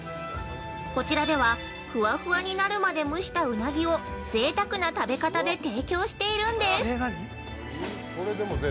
こちらでは、ふわふわになるまで蒸したウナギをぜいたくな食べ方で提供しているんです。